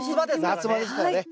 夏場ですからね。